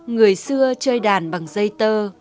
người xưa chơi đàn bằng dây tơ